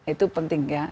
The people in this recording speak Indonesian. itu penting ya